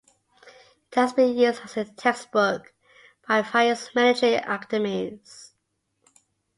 It has been used as a text book by various military academies.